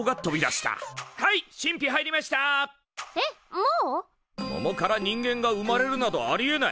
ももから人間が生まれるなどありえない！